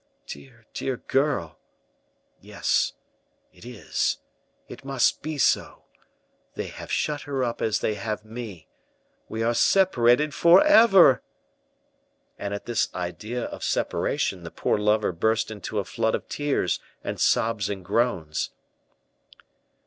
Dear, dear girl! Yes, it is it must be so. They have shut her up as they have me. We are separated forever!" And at this idea of separation the poor lover burst into a flood of tears and sobs and groans.